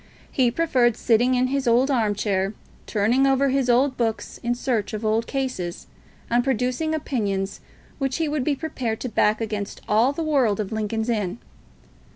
He preferred sitting in his old arm chair, turning over his old books in search of old cases, and producing opinions which he would be prepared to back against all the world of Lincoln's Inn.